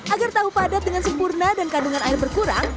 agar tahu padat dengan sempurna dan kandungan air berkurang